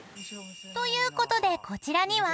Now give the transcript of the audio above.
［ということでこちらには］